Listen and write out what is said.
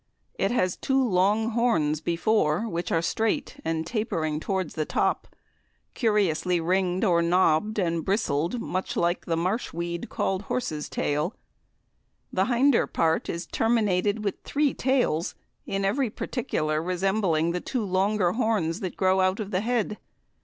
It has two long horns before, which are streight, and tapering towards the top, curiously ring'd or knobb'd and brisled much like the marsh weed called Horses tail.... The hinder part is terminated with three tails, in every particular resembling the two longer horns that grow out of the head.